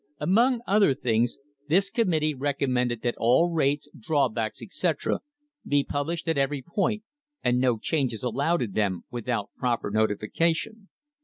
Among other things this committee recommended that all rates, drawbacks, etc., be published at every point and no changes allowed in them without proper notification.